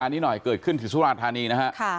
อันนี้หน่อยเกิดขึ้นที่สุราธานีนะฮะ